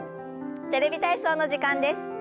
「テレビ体操」の時間です。